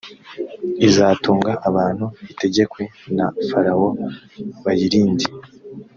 izatunga abantu itegekwe na farawo bayirinde